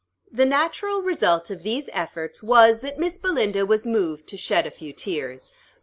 The natural result of these efforts was, that Miss Belinda was moved to shed a few tears.